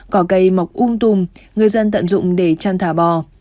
cỏ cây mọc um tùm người dân tận dụng để chăn thả bò